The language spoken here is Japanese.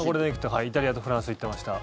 はい、イタリアとフランス行ってました。